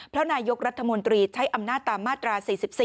เพราะนายกรัฐมนตรีใช้อำนาจตามมาตรา๔๔